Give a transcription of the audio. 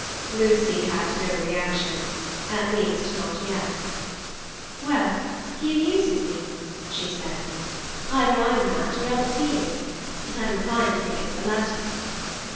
Lucy had no reaction—at least, not yet. "Well, he amuses me," she said. "Either I'm mad, or else he is, and I'm inclined to think it's the latter.